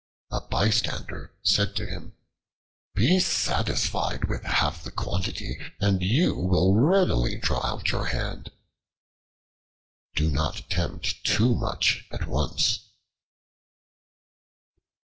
A bystander said to him, "Be satisfied with half the quantity, and you will readily draw out your hand." Do not attempt too much at once.